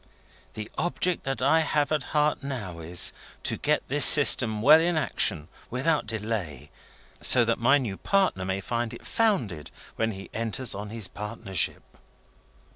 The object that I have at heart now is, to get this system well in action without delay, so that my new partner may find it founded when he enters on his partnership."